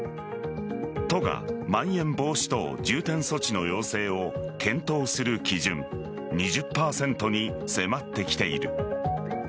都がまん延防止等重点措置の要請を検討する基準２０％に迫ってきている。